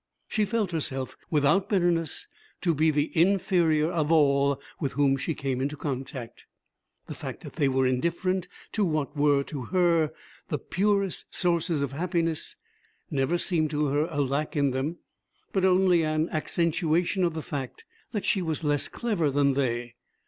She felt herself, without bitterness, to be the inferior of all with whom she came in contact. The fact that they were indifferent to what were to her the purest sources of happiness never seemed to her a lack in them, but only an accentuation of the fact that she was less clever than they.